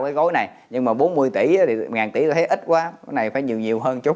với gối này nhưng mà bốn mươi tỷ thì ngàn tỷ thấy ít quá này phải nhiều nhiều hơn chút